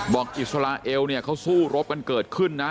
อิสราเอลเนี่ยเขาสู้รบกันเกิดขึ้นนะ